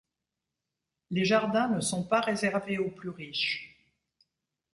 Les jardins ne sont pas réservés aux plus riches.